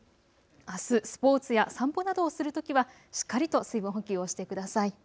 あすスポーツや散歩などをするときはしっかりと水分補給をしてください。